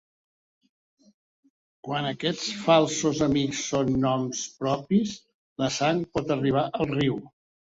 Quan aquests falsos amics són noms propis la sang pot arribar al riu.